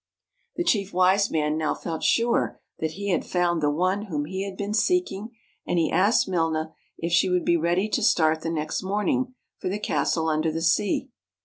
The Chief Wise Man now felt sure that he had found the one whom he had been seeking, and he asked Milna if she would be ready to start the next morning for the castle under the sea.